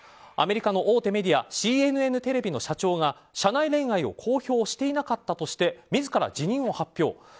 アメリカの大手メディアＣＮＮテレビの社長が社内恋愛を公表していなかったとして自ら辞任を発表。